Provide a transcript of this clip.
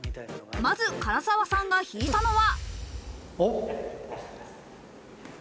まず唐沢さんが引いたのは。